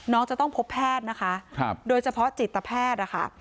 น้องจะต้องพบแพทย์นะคะโดยเฉพาะจิตแพทย์นะคะ